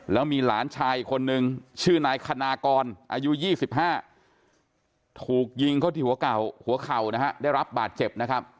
แล้วมีหลานชายอีกคนนึงชื่อนายขนาคอนอายุ๒๕ถูกยิงเขาที่หัวเก่ารับบาดเจ็บ